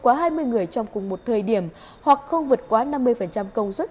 quá hai mươi người trong cùng một thời điểm hoặc không vượt quá năm mươi công suất